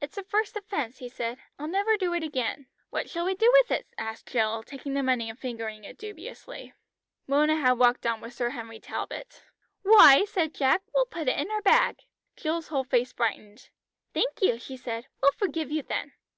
"It's a first offence," he said. "I'll never do it again." "What shall we do with it?" asked Jill, taking the money and fingering it dubiously. Mona had walked on with Sir Henry Talbot. "Why," said Jack "we'll put it in our bag." Jill's whole face brightened. "Thank you," she said. "We'll forgive you then."